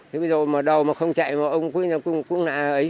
thế bây giờ mà đầu mà không chạy mà ông cũng là ấy